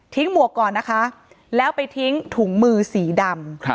หมวกก่อนนะคะแล้วไปทิ้งถุงมือสีดำ